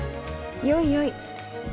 よいよい。